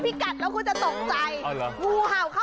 พี่พินโย